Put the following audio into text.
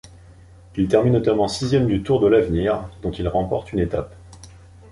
Il termine notamment sixième du Tour de l'Avenir, dont il remporte une étape.